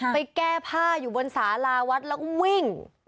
แก้ผ้าอยู่บนสาราวัดแล้วก็วิ่ง